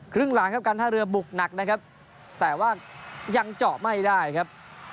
ครึ่งหลังครับการท่าเรือบุกหนักนะครับแต่ว่ายังเจาะไม่ได้ครับ